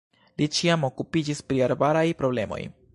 Li ĉiam okupiĝis pri arbaraj problemoj.